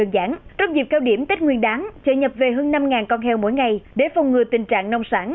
đầu điểm tết nguyên đáng chợ nhập về hơn năm con heo mỗi ngày để phong ngừa tình trạng nông sản